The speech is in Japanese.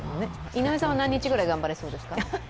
井上さんは何日ぐらい頑張れそうですか？